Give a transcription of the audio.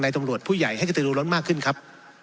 นายตำรวจผู้ใหญ่ให้จะรู้ร้อนมากขึ้นครับ